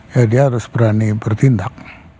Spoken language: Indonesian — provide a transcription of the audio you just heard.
ya dia harus berani bertindak